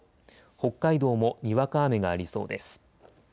北海道もにわか雨がありそうです。